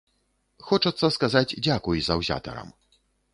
Хочацца сказаць дзякуй заўзятарам.